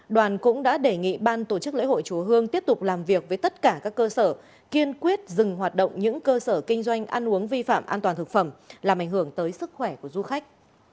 đoàn cũng đã đề nghị ban tổ chức lễ hội chúa hương tiếp tục làm việc với tất cả các cơ sở kiên quyết dừng hoạt động những cơ sở kinh doanh ăn uống vi phạm an toàn thực phẩm làm ảnh hưởng tới sức khỏe của du khách